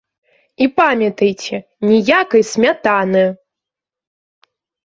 І памятайце, ніякай смятаны!